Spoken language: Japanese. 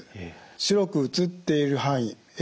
白く映っている範囲え